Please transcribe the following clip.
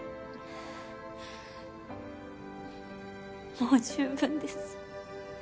もう十分です。